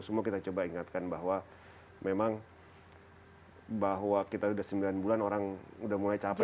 semua kita coba ingatkan bahwa memang bahwa kita sudah sembilan bulan orang udah mulai capek